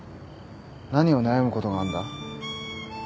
何を悩むことがあんだ？